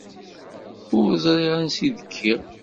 Ur ẓriɣ ansi i d-kkiɣ.